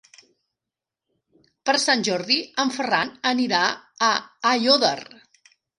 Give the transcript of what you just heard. Per Sant Jordi en Ferran anirà a Aiòder.